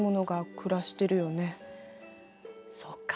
そっか。